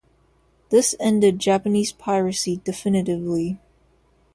This ended Japanese piracy definitively.